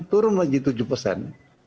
turun lagi tujuh persen